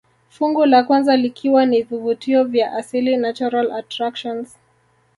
Fungu la kwanza likiwa ni vivutio vya asili natural attractions